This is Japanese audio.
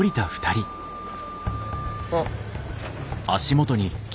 あっ。